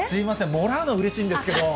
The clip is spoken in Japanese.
もらうのはうれしいんですけど。